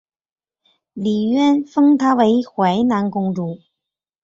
李渊封她为淮南公主。